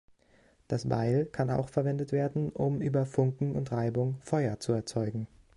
Das Beil kann auch verwendet werden, um über Funken und Reibung Feuer zu erzeugen.